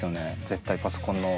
絶対パソコンの。